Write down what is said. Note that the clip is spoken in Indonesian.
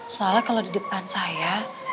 soalnya kalau di depan saya